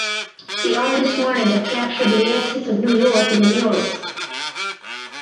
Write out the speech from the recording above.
The artist wanted to capture the essence of New York in the murals.